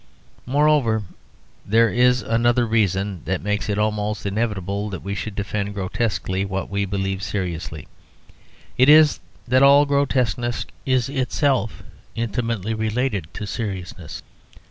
Moreover, there is another reason that makes it almost inevitable that we should defend grotesquely what we believe seriously. It is that all grotesqueness is itself intimately related to seriousness.